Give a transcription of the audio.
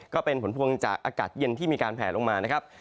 ก็เป็นผลพวงจากอากาศเย็นที่มีการแผลลงมานะครับ